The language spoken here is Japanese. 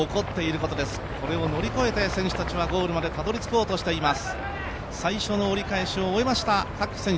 これを乗り越えて選手たちはゴールまでたどり着こうとしています。